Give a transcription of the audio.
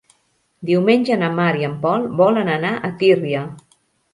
Diumenge na Mar i en Pol volen anar a Tírvia.